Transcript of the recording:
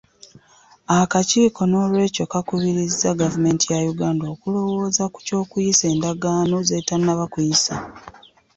Akakiiko noolwekyo kakubiriza Gavumenti ya Uganda okulowooza ku ky’okuyisa endagaano z’etannaba kuyisa.